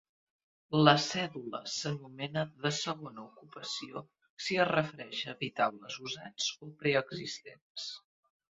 La cèdula s'anomena de segona ocupació si es refereix a habitatges usats o preexistents.